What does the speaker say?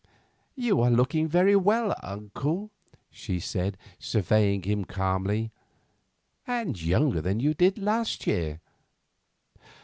"You are looking very well, uncle," she said, surveying him calmly; "and younger than you did last year.